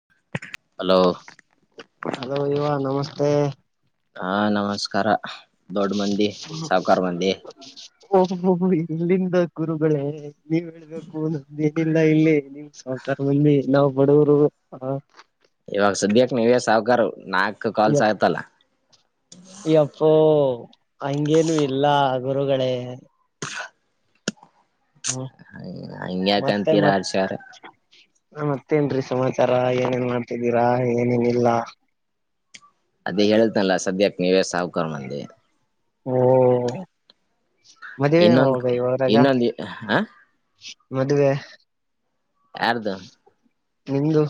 [inaudible] Hello ಇವಾಗ ನಮಸ್ತೆ ಹಾ ನಮಸ್ಕಾರ ದೊಡ್ಡ ಮಂದಿ ಸಾವಕಾರ ಮಂದಿ ಇಲ್ಲಿಂದ ಕುರುಗಳೇ ನೀವ ಹೇಳ್ಬೇಕು ನಮೇನಲ್ಲ ಇಲ್ಲಿ ನಿಮ್ ಸಹಕಾರ ಮಂದಿ ನಾವ್ ಬಡವರು ಹ ಇವಾಗ ಸದ್ಯಕ್ ನೀವೇ ಸಾಹುಕಾರರು ಇಪ್ಪ ಅ ಹಿಂಗೇನೂ ಇಲ್ಲ ಗುರುಗಳೇ ಹ್ಮ್ ಮತ್ತೆ ಹಂಗ್ಯಾಕಂತೀರಾ ಮತ್ತ ಹರ್ಷಾವ್ರೆ ನಾ ಮತ್ತೇನ್ರೀ ಸಮಾಚಾರ ಏನೇನ್ ಮಾಡ್ತಿದ್ದೀರಾ ಏನೇನಿಲ್ಲ ಅದೇ ಹೇಳತನಲ್ಲ ಸದ್ಯಕ್ ನೀವ್ಯ ಸಾವಕ ಮಂದಿ ಹ್ಮ ಮದುವೆ ಇನ್ನೊಂದ್ ಹೋಗ ಹೋದ್ರಾಗ ಇನ್ನೊಂದ್ ಹ ಮದುವೆ ಯಾರದು ನಿಂದು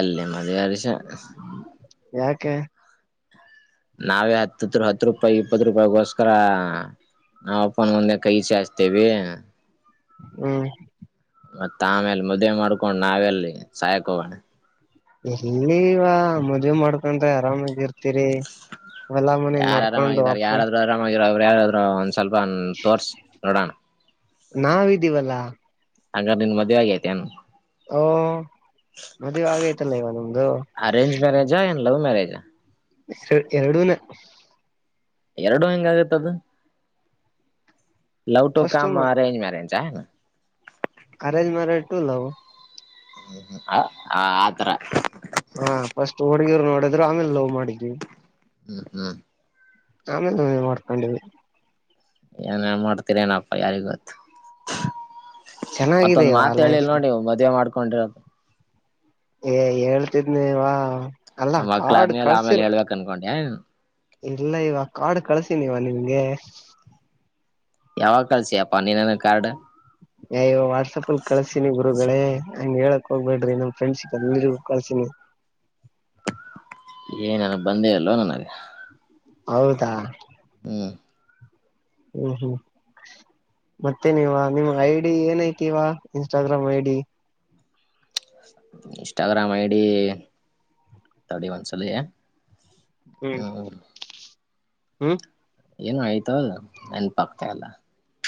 ಎಲ್ಲೇ ಮದ್ವಾದಿಸ ಯಾಕೆ ನಾವೇ ಹತ್ತತ್ರ ಹತ್ತು ರೂಪಾಯಿ ಇಪ್ಪತ್ತು ರೂಪಾಯಿಗೋಸ್ಕರ ನಮ್ಮಪ್ಪನ ಮುಂದೆ ಕೈ ಚಾಗ್ತೀವಿ ಹ್ಮ ಮತ್ತತ್ ಆಮೇಲೆ ಮುದುವೆ ಮಾಡ್ಕೊಂಡು ನಾವೆಲ್ಲಿ ಸಹಕ ಹೋಗೋಣ ಇಲ್ಲಿವ ಮದುವೆ ಮಾಡ್ಕೊಂಡ್ರೆ ಆರಾಮಾಗಿರ್ತ ಹತರಿ ಎಲ್ಲ ಮನೆ ನೋಡ್ಕೊಂಡು ಅಪ್ಪ ಅವರು ಯಾರಾದ್ರರು ಒಂದ್ ಸ್ವಲ್ಪ ತೋರ್ಸಿ ನೋಡೋಣ ನಾವ್ದೀವಲ್ಲಾ ಹಂಗ ನಿನ್ ಮದ್ವೆ ಆಗ ಐತೆನ್ ಓ ಮದುವೆ ಆಗ ಐ್ತಲ್ಲ ಇವ ನಮ್ದು ಅರೇಂಜ್ ಮ್ಯಾರೇಜಾ ಏನ್ [inaudible] ಎ ಎರಡೂನ ಎರಡು ಹೆಂಗ ಆಗತ್ತದು love to first com arrange marriage ಚಾಲ್ಲ ಅಖರೆಜ ಮರಟು ಲವ್ ಹ್ಮ್ ಆತರ ಡ್ರೆ ಆಮೇಲೆವು ಮಾಡಿದ್ವಿ ಹ್ಮ್ ಹ್ಮ್ ಆಮೇ ಮಾಡ್ಕೊಂಡೀವಿ ಏನ್ ಮಾಡ್ತೀರ ಏನಪ್ಪ ಯಾರಿ ಗೊತ್ತು ಚೆನ್ನಾಗಿದೆ ಮತ್ತೊಂದ್ ಇವ ಮಾತ ಲೈಫ್ ಹೇಳಿಲ್ಲ ನೋಡಿ ಮದುವೆ ಮಾಡ್ಕೊಂಡಿರೋದು ಏ ಹೇಳ್ತಿದ್ ನೀವಾ ಅಲ್ಲಾ ನಮ್ಮ ಮಕ್ಳ ಕಾಡು ಆದ್ಮೇಲೆ ಆಮೇಲೆ ಕಳ್ಸಿಲ್ ಹೇಳ್ಬೇಕ್ ಅನ್ಕೊಂಡೆ ಇಲ್ಲ ಇವ ಕಾಡು ಕಳ್ಸಿನವ ನಿಮಗೆ ಯಾವಾಗ ಕಳಿಸಿಪ್ಪ ನೀನನ ಕಾರ್ಡ ಇವ ವಾಟ್ಸಪ್ ಅಲ್ಲಿ ಕಳ್ಸಿನಿ ಗುರುಗಳೇ ಹಂಗ ಹೇಳಕ್ ಹೋಗ್ಬೇಡ್ರಿ ನಮ ಫ್ರೆಂಡ್ಸಕ್ ಎಲ್ರಿಗೂ ಕಳ್ಸಿನಿ ಏ ನನ ಬಂದೆ ಅಲ್ವ ನನಗೆ ಹೌದಾ ಹಾ ಹೂ ಹೂ ಮತ್ತೆ ನೀವ ನಿಮ್ಮ್ ಐಡಿ ಏನೈತಿವಾ Instagram I D Instagram ID ತಡಿ ಒಂದು ಸಲ ಹೂ ಹೂ ಏನು ಆಯ್ತ ಅ ನೆನಪ ಆಗ್ತಾಲ್ಲ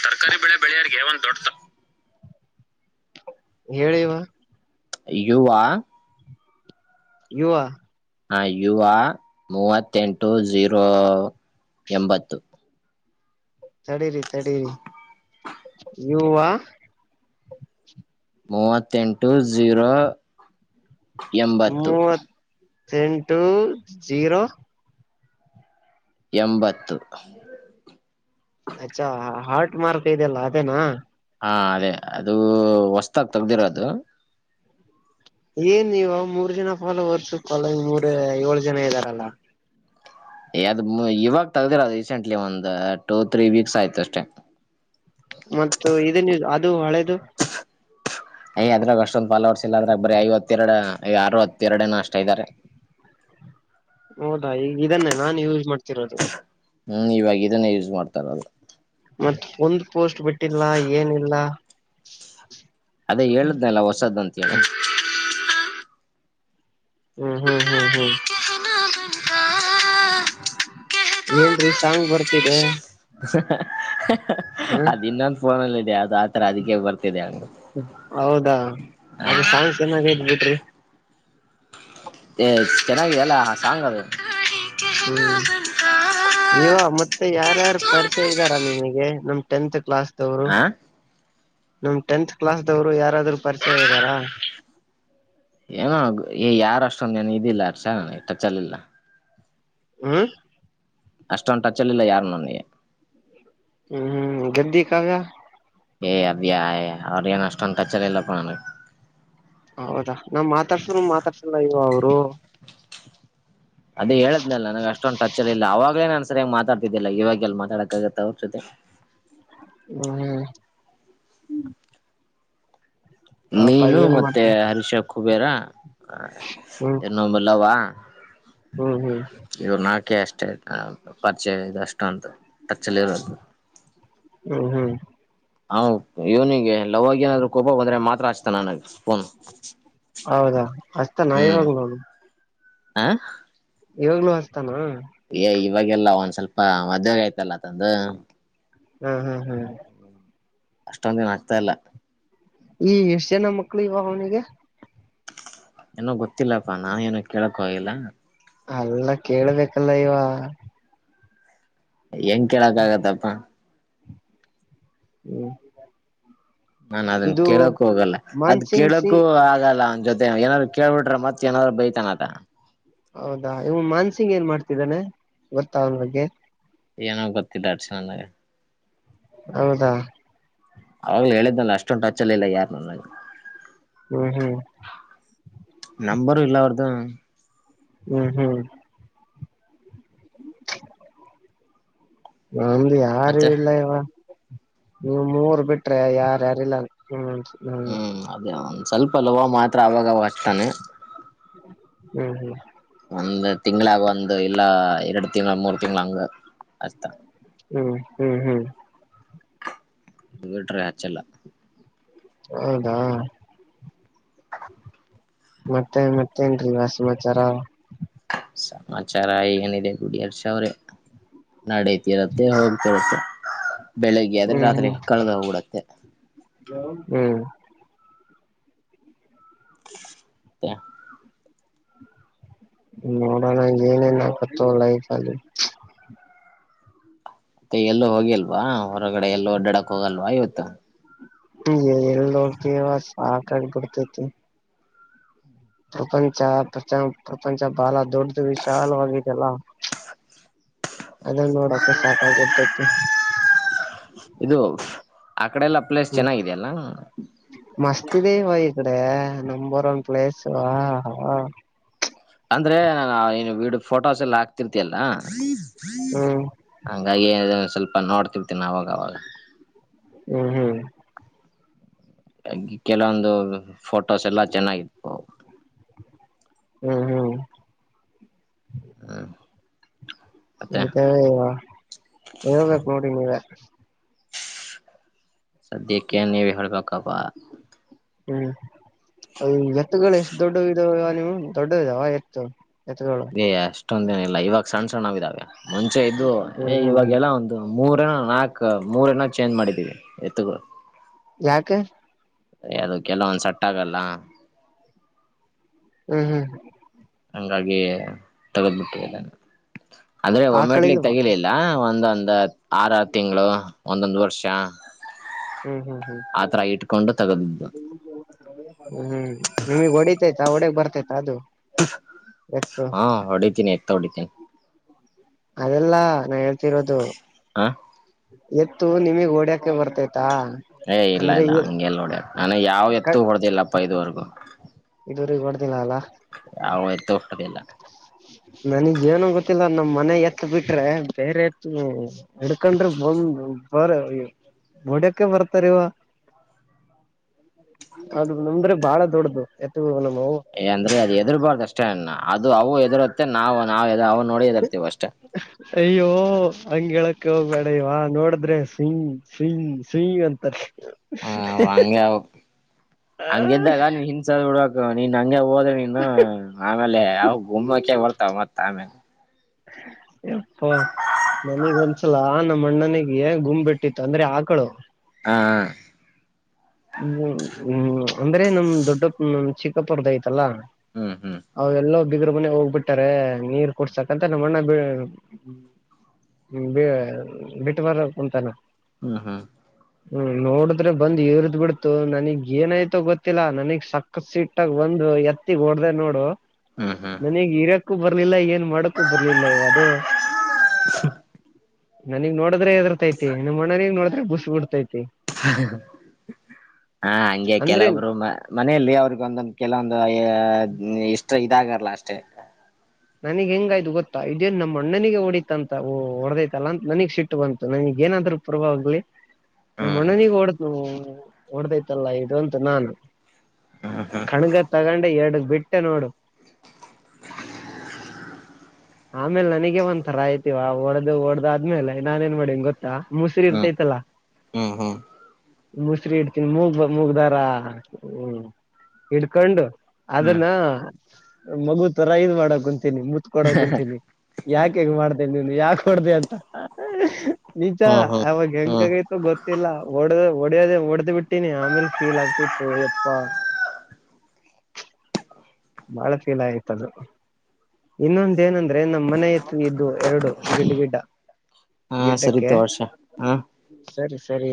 ತರ್ಕಾರಿ ಬೆಳೆ ಬೆಳೆಯ ದೊಡ್ಡ ಹೇಳಿವ ಯುುವ ಯುವ ಆ ಯುವ ಮೂವತ್ತೆಂಟು ಝೀರೋ ಎಂಬತ್ತು ತಡಿರಿ ತಡೀರಿ ಯುವ ಮೂವತ್ತೆಂಟು ಜಝೀರೋ ಎಂಬತ್ತು ತನ್ಟು ಜೀರೋ ಎಂಬತ್ತು ಮಾರ್ಕ ಇದೆಲ್ಲ ಅದೇನಾ ಹಾ ಅದೇ ಅದು ಹೊಸ್ತಾಗ ತಗ್ದಿರೋ ಅದು ಏನ್ ನೀವ ಮೂರ್ ಜನ ಪಫಾಲ ವರ್ಸಕ್ಕಲ್ಲ ಈ ಮೂರ ಏಳು ಜನ ಇದ್ದಾರಲ್ಲ ಎದ್ ಇವಾಗ ತಗ್ದಿರ ರೀಸೆಂಟ್ಲಿ ಒಂದ ಟೂ ತ್ರೀ ವೀಕ್ಸ್ ಆಯ್ತು ಅಷ್ಟೇ ಮತ್ತ ಇದನ್ ಅದು ಹಳೇದು ಯ್ ಅದ್ರಾಗ ಅಷ್ಟೊಂದು ಫಾಲಲ್ ಔಟ್ಸ್ ಇಲ್ಲ ಅದ್ರಾಗ ಬರೀ ಐವತ್ತೆರಡು ಆರು ಹತ್ತೆರಡನ ಅಷ್ಟ ಇದ್ದಾರೆ ಹೋದಾ ಈಗ ಇದನ್ನೆ ನಾನು ಯೂಸ್ ಮಾಡ್ತಿರೋದು ಹೂ ಇವಾಗ ಇದನ್ನ ಯೂಸ್ ಮಾಡ್ತಾರಲ್ಲ ಮತ್ತ ಒಂದ್ ಪೋಸ್ಟ್ ಬಿಟ್ಟಿಲ್ಲ ಏನಿಲ್ಲ ಅದೇ ಹೇಳುದ್ನಲ್ಲ ಹೊಸದಂತ ಹೇಳಿ ಹೂ ಹೂ ಹೂ ಹೂ ಏನ್್ರೀ ಸಾಂಗ್ ಬರ್ತಿದೆ ಹ ಅದ ಇನ್ನೊಂದು ಫೋನಲ್ಲ ಇದೆ ಅದು ಆತರ ಅದಕ್ಕೆ ಬರ್ತಿದೆ ಹಂಗ ಹೌದಾ ಅದು ಸಾಂಗ್ ಚೆನ್ನಾಗೈತ್್ ಬಿಟ್ರಿ ಚೆನ್ನಾಗ ಅಲ್ಲ ಸಾಂಗ ಅದು ಹೂ ಇವ ಮತ್ತೆ ಯಾರ್ಯಾರ ಪರಿಚಯ ಇದ್ದಾರಾ ನಿಮಗೆ ನಮ್ ಟೆಂತ್ ಕ್ಲಾಸ್ ದವರು ಆ ನಮ್ ಟೆಂತ್ ಕ್ಲಾಸ್ ದವ್ರು ಯಾರಾದ್ರು ಪರಿಚಯ ಇದ್ದಾರಾ ಏನೋ ಯಾರ ಅಷ್ಟೊಂದು ನನ ಇದಿಲ್ಲ ಅರ್ಷದು ಟಚ್ಲಿಲ್ಲ ಹ್ಮ್ ಅಷ್ಟೊಂದು ಟಚ್ಲ್ಲಿಲ್ಲ ಯಾರು ನನಗೆ ಹೂ ಹೂ ಗೆದ್ದಿ ಕಾಕಾ ಏ ಅದ ಅವ್ರ ಏನ್ ಅಷ್ಟೊಂದು ಟಚ್ ಇಲ್ಲಪ್ಪಾ ಹೌದಾ ನಮ್ ಮಾತಾಡ್ಸ ಮಾತಾಡ್ಸಲ್ಲ ಇವ ಅವ್ರು ಅದೇ ಹೇಳದ್ನಲ್ಲ ನನಗೆ ಅಷ್ಟೊಂದು್ ಟಚ್ ಅಲ್ಲಿ ಇಲ್ಲ ಅವಾಗಲೇ ನಾನನ್ ಸರಿಯ್ ಮಾತಾಡ್ತಿದ್ದಿಲ್ಲ ಇವಾಗೆಲ್ಲಿ ಮಾತಾಡಕ್ಕ ಆಾಗತ್ತ ಅವ್ರ ಜೊತೆ ಹೂ ಮೀನು ಮತ್ತೆ ಮಾಡ್ತವಿ ಹರಿಶ ಕುಬೇರ ಹ್ಮ್ ಇನ್ನೊಂದು ಲವ ಹ್ಮ್ ಹ್ಮ್ ಇವ ನಾಕೆ ಅಷ್ಟೇ ಪರಿಚಯ ಇದಷ್ಟು ಅಂತ ಟಚ್ ಲ್ಲಿ ಇರೋದು ಹ್ಮ್ ಹ್ಮ್ ಹಾ ಇವನಿಗೆ ಲವ್ವಾಗಿ ಏನಾದ್ೂ ಕೋಪ ಬಂದ್ರೆ ಮಾತ್ರ ಆಚ್ತ ನನಗ ಫೋನ್ ಹೌದಾ ಅಷ್ಟತ ನ ಹ್ಮ್ ಇವಾಗ ನೋವು ಹ ಇವಾಗ್ಲುೂ ಹಸ್ತಾನ ಇವಾಗಲ್ಲ ಒಂದ್ ಸ್ವಲ್ಪ ಮದುವೆ ಆಗ್ತೀ ಅಂತಂದು ಹೂ ಹೂ ಹೂ ಅಷ್ಟೊಂದ ದಿನ ಆಗ್ತಾ ಇಲ್ಲ ಈ ಎಷ್ಟ ಜನ ಮಕ್ಳು ಇವ ಅವ್ನಿಗೆ ಏನೋ ಗೊತ್ತಿಲ್ಲಪ್ಪಾ ನಾನ ಏನ ಕೇಳಕ್ ಹೋಗಿಲ್ಲ ಅಲ್ಲ ಕೇಳ್ಬೇಕಲ್ಲ ಇವ ಹೆಂಗ ಕೇಳಕ್ ಆಗತ್ತಪ್ಪ ಹ್ಮ್ ನನ್ ಅದನ್ನ ಇದು ಕೇಳಕ್ ಹೋಗಲ್ಲ ಅದ ಮಾನ್ಸಿಂಗ್ ಕೇಳಕ್ಕೂ ಸಿಂಗ್ ಆಗಲ್ಲ ಅವನ್ ಜೊತೆ ಏನಾರರು ಕೇಳ್ಬಿಟ್ರೆ ಮತ್ತತ್ ಏನಾದ್ರು ಬೈತಾನದ ಹೌದಾ ಇವ್ ಮಾನ್ಸಿಂಗ್ ಏನ್ ಮಾಡ್ತಿದ್ದಾನೆ ಗೊತ್ತ ಅವನ್ ಬಗ್ಗೆ ಏನೋ ಗತ್ತಿಲ್ಲಾಚ ನನ್ನಗೆ ಹೌದಾ ಅವಾಗ್ಲ ಹೇಳಿದ್ನಲ್ಲ ಅಷ್ಟೊಂದು ಟಚ್ಲ್ಲಿ ಇಲ್ಲ ಯಾರು ನನಗೆ ಹ್ಮ್ ಹ್ಮ್ ನಂಬರು ಎಲ್ಲ ಅವ್ರದಾ ಹ್ಮ್ ಹ್ಮ್ ನಮ್ದ ಯಾರು ಮತ್ತೆ ಇಲ್ಲ ಇವ ನೀವು ಮೂರ್ ಬಿಟ್ರೆ ಯಾರ್ಯಾರು ಇಲ್ಲ ಹ್ಮ ಹ್ಮ್ ಅದೇ ಒಂದ್ ಸ್ವಲ್ಪ ಲವ ಮಾತ್ರ ಅವಾಗವ ಅಷ್ಟತಾನೆ ಹ್ಮ್ ಹ್ಮ್ ಒಂದು ತಿಂಗಳಾಗ ಒಂದು ಇಲ್ಲ ಎರಡು ತಿಂಳ ಮೂರ್ ತಿಂಳ ಹಂಗ ಹಚ್ತ ಹ್ಮ್ ಹ್ಮ್ ಹ್ಮ್ [unintelligible] ಹಚ್ಚಲ್ಲ ಹೌದಾ ಮತ್ತೆ ಮತ್ತೇನ್ರಿ ಸಮಾಚಾರ ಸಮಾಚಾರ ಏನಿದೆ ಬಿಡಿ ಹರ್ಷ ಅವ್ರ ನಡತಿರತ್ತೆ ಹೋತೀರುತ್ತೆ ಬೆಳಿಗ್ಗೆ ಆದ್ರೆ ಹ್ಮ್ ರಾತ್ರಿ ಕಳೆದೋಗಬಿಡುತ್ತೆ ಹ್ಮ್ ಮತ್ತೆ ನೋಡೋಣ ಏನೇನ ಕತ್ತಲ್ಲ ಆಐ್ತಲ್ಲಿ ಮತ್ತೆ ಎಲ್ಲೋ ಹೋಗಿಲ್ವಾ ಹೊರಗಡೆ ಎಲ್ಲೋ ಡಾಡಕ್ ಹೋಗಲ್ವಾ ಇವತ್ತು ಹ ಎಲ್ಲಿ ಹೋಗ್ತೀಯ ಸಾಕಾಗಿ ಬಿಡ್ತತಿ ಪ್ರಪಂಚ ಪ್ರಚ ಪ್ರಪಂಚ ಬಹಳ ದೊಡ್ದು ವಿಶಾಲವಾಗಿದೆಲ್ಲ ಅದಲ್ಲ ನೋಡಕ ಸಾಕಗ್ಬಿಡ್ತೈತೆ ಇದು ಆ ಕಡೆಲ್ಲಾ ಪ್ಲೇಸ್ ಹ್ಮ್ ಚೆನ್ನಾಗಿದೆಯಲ್ಲ ಮಸ್ತ್ [unintelligible] ನಂಬರ್ ಒನ್ ಪ್ಲೇಸ್ ಅಂದ್ರೆ ನಾ ನು ವಡು ಫೋಟೋಸ್ ಎಲ್ಲ ಹಾಕ್ತಿರ್ತಿಯಲ್ಲ ಹ್ಮ್ ಹಂಗಾಗಿ ಸ್ವಲ್ಪ ನೋಡ್ತಿರ್ತೀನಿ ಅವಾಗ ಅವಲ್ಲ ಹ್ಮ್ ಹ್ಮ್ ಕೆಲವೊಂದು ಫೋಟೋಸ್ ಎಲ್ಲ ಚೆನ್ನಾಗಿತ್ತು ಬ ಹ್ಮ್ ಹ್ಮ್ [unintelligible] ಮತ್ತೆ ಆಯತ ಹೇಬೇಕ ನೋಡಿ ನೀವ ಸದ್ಯಕ್ಕೆ ನೀವೇ ಹೇಳಬೇಕಪ್ಪ ಹ್ಮ್ ಎತ್ತುಗಳು ಎಷ್ಟು ದೊಡ್ಡ ಇದಾವ ನೀವು ದೊಡ್ಡ ಇದಾವ ಎತ್ತು ಎತ್ತುಗಳು ಯ ಅಷ್ಟೊಂದೇನ ಇಲ್ಲ ಇವಾಗ ಸಣ್ಣ ಸಣ್ಣ ಇದಾವೆ ಮುಂಚೆ ಇದ್ದದು ಏ ಹ್ಮ್ ಹ್ಮ್ ಇವಾಗ ಹ್ಮ್ ಎಲ್ಲ ಒಂದು ಮೂರನ ನಾಕ ಮೂರನ ಚೇಂಜ್ ಮಾಡಿದ್ದೀವಿ ಎತ್ತುಗಳು ಯಾಕೆ ಅ ಅದು ಕೆಲವೊಂದ್ ಸಟ್ಟ ಆಗಲ್ಲ ಹ್ಮ್ ಹ್ಮ್ ಹಂಗಾಗಿ ತಗದ್ಬಿಟ್ಟಿದೆಲ್ಲ ಅಂದ್ರೆ ಒಮ್ಮೆಟ್ಲಿಗ್ ಆಕಳಿಲ್ವಾ ತಗಿಲಿಲ್ಲ ಒಂದ ಒಂದ ಆರ ಆರು ತಿಂಗಳು ಒಂದೊಂದು ವರ್ಷ ಹ್ಮ್ ಹ್ಮ್ ಹ್ಮ್ ಆತರ ಇಟ್ಕೊಂಡು ತಗದಿದ್ದು ಹ್ಮ್ ನಿಮಗ್ ಹೊಡಿತೈತ ಒಡೆಗ್ ಬರ್ತೈತ ಅದು ಎತ್ತು ಹಾ ಹೊಡಿತೀನಿ ಎತ್ತ ಹೊಡಿತೀನಿ ಅದೆಲ್ಲಾ ನಾ ಹೇಳ್ತಿರೋದು ಹ ಎತ್ತು ನಿಮಗ್ ಓಡ್ಯಾಕ ಬರ್ತತಿ ಏ ಇಲ್ಲ ಇಲ್ಲ ಹಂಗೆಲ್ಲ ನೋಡ್ಯ ನಾನ ಯಾವ್ ಕ ಎತ್ತು ಹೊಡೆದಿಲ್ಲಪ್ಪ ಇದುವರೆಗೂ ದೂರಿಗೆ ಕೊಡ್ದಿಲ್ಲ ಅಲ್ಲ ಯಾವ ಎತ್ತು ಹೊಡೆದಿಲ್ಲ ನನಗ್ ಏನ ಗೊತ್ತಿಲ್ಲ ನಮ್ಮ್ ಮನೆ ಎತ್ ಬಿಟ್ರೆ ಬೇರೆ ಎತ್ ಹಡ್ಕೊಂಡ್ರ ಬಂದ ಬರ ಮುಡೋಕ್ಕೆ ಬರ್ತ ರವಾ ಅದು ನಮ್ರೆ ಬಹಳ ದೊಡ್ಡದು ಎ ನ ಏ ಅಂದ್ರೆ ಅದು ಎದರ್ಬಾರ್ದ ಅಷ್ಟೇಣ ಅದು ಅವು ಎದರುತ್ತೆ ನಾವು ನಾವವು ಅಯ ಹಂಗಗೆ ಹೇಳಕ್ ಹೋಗ್ಬೇಡ ಇವ ನೋಡಿದ್ರೆ ಸಯ ಸಯ ಸಯ್ ಅಂತಾರ ಹ ಹಂಗೆ ಆ ಹಂಗ್ದಾಗ ನೀ ಹನ್ಸ ಹಡ್ಕ್ ನೀನ್ ಹಂಗೆ ಹ ನೀನು ಆಮೇಲೆ ಯಾವ ಗುಮಕ ಬರ್ತಾವ ಮತ್ತ ಆಮೇಲೆ ಪ್ಪ ನನಗ್ ಒಂದ್ಸಲ ನಮ್ಮ ಅಣ್ಣನಿಗೆ ಗುಮ್ ಬಿಟ್ಟಿತ್ತು ಅಂದ್ರೆ ಆಕಳು ಹಾ ಹ್ಮ ಹ್ಮ್ ಅಂದ್ರೆ ನಮ್ ದೊಡ್ಡ ನಮ್ ಚಿಕ್ಕಪುರದೈ ಲ್ಲ ಹ್ಮ್ ಹ್ಮ್ ಅವೆಲ್ಲ ಗ್ರ ಮನೆ ಹೋಗ್ಬಿಟ್ಟಾರೆ ನೀರ್ ಕೊಡ್ಸಕಂತ ನಮ್ಮಣ್ಣ ಬಿಟ್ಟ ಬರ ಕುಂತಾನ ಹ್ಮ್ ಹ್ಮ್ ಹ್ಮ್ ನೋಡಿದ್ರೆ ಬಂದ ಇವ್ರ ಬಿಡ್ತು ನನಗ್ ಏನಾಯ್ತೋ ಗೊತ್ತಿಲ್ಲಾ ನನಗ್ ಸಕ್ಕತ್ ಸೀಟ್ಾಗ ಒಂದು್ ಎತ್ತಿಗ್ ಹೊಡ್ದ ನೋಡು ಹ್ಮ್ ಹ್ಮ್ ನನಗೆ ಇರಕ್ಕೂ ಬರ ಬರ್ಲಿಲ್ಲ ಏನ್ ಮಾಡಕ್ಕು ಬರ್ಲಿಲ್ಲ ಇವದು ನನಗ್ ನೋಡಿದ್ರೆ ಆತೈತಿ ನಿಮಮ್ಮ ಮನಗ್ ನೋಡ್ರೆ ಬುಸು ಬಿಡ್ತೈತಿ ಹ ಹಾ ಹಂಗೆ ಅಂದ್ರೆ ಕೆಲೊಬ್ರು ಮನೆಯಲ್ಲಿ ಅವ್ರಗ ಒಂದೊಂದು ಕೆಲವೊಂದು ಇಷ್ಟ ಇದಾಗ ಲಸ್ಟ ನನಗ್ ಹೆಂಗಾಯ್ತು ಗೊತ್ತಾ ಇದೇನ್ ನಮ್ಮ ಅಣ್ಣನಿಗೆ ಹೊಡಿತಂತ ಹೊಡೆದೈತಲ್ಲ ಅಂತ ನನಗ್ ಸಿಟ್ಟು ಬಂತು ನನಗ್ ಏನಾದ್ೂ ಪೂರ್ವ್ಲಿ ನಮ್ಮ ಹ್ಮ್ ಅಣ್ಣನಿಗೆ ಓಡದ ನ ಓಡದೈತಲ್ಲ ಇದು ಅಂತು ನಾನು ಕಣಗ ತಗೊಂಡೆ ಎರಡ ಬಿಟ್ಟೆ ನೋಡು ಆಮೇಲ್ ನನಗೆ ಒಂದ್ಥರ ಆಯ್ತಿವ ಓಡ್ದ ಓಡ್ದ ಆದ್ಮೇಲೆ ನಾನ ಏನ್ ಮಾಡಿನ್ ಗೊತ್ತಾ ಮುಸ್ರರಿ ಹ್ಮ್ ಇರ್ತೈತಲ್ಲಾ ಹ್ಮ್ ಹ್ಮ್ ಮುಸ್ರ ಇಡ್ತೀನಿ ಮೂಗ ಮೂಗ್ದಾರ ಹ್ಮ ಇಡ್ಕೊಂಡು ಹ್ಮ್ ಅದನ್ನ ಮಗು ತರ ಇದ್ ಮಾಡಕ ಕುಂತೀನಿ ಮುತ್ಕಡಕ್ ಕುಂತೀನಿ ಯಾಕ ಹಗ ಮಾಡ್್ದೇನೆ ನೀನು ಯಾಕ ಹೊಡ್ದ ಅಂತ ನಿಚ ಹ್ಮ್ ಹ್ಮ್ ಅವವಾಗ ಹ್ಮ್ ಹೆಂಕಗೈ ಗೊತ್ತಿಲ್ಲ ಹೊಡ ಹೊಡಿಯೋದ ಹೊಡೆ್ದ್ ಬಿಟ್ಟೀಿನಿ ಆಮೇಲ್ ಫೀಲ್ ಆಗ್ತಿತ್ತು ಎಪ್ಪಾ ಬಾಳ ಫೀಲ್ ಆಯತದು ಇನ್ನೊಂದ ಏನಂದ್ರೆ ನಮ್ಮ್ ಮನೆ ಎತ್ತು ಇದ್ದು ಎರಡು ಗಿಡ್ಡ ಗಿಡ್ಡ ಹಾ ಗಿಡ್ಡಕ್ಕೆ ಸರಿತು ಹರ್ಷ ಹಾ. ಸರಿ ಸರಿ